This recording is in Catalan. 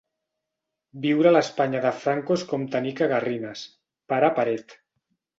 Viure a l'Espanya de Franco és com tenir cagarrines, pare paret.